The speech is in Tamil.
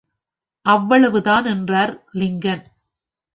அவ்வளவுதான் எனறார் லிங்கன்.